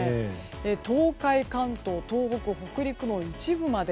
東海、関東、東北北陸の一部まで。